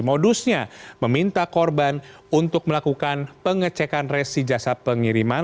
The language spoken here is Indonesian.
modusnya meminta korban untuk melakukan pengecekan resi jasa pengiriman